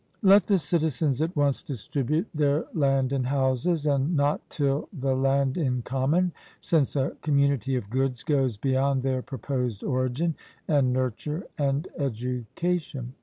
Let the citizens at once distribute their land and houses, and not till the land in common, since a community of goods goes beyond their proposed origin, and nurture, and education.